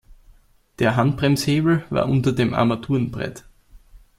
Der Handbremshebel war unter dem Armaturenbrett.